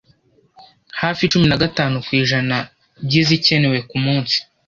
hafi cumi nagatanu kwijana by'izikenewe ku munsi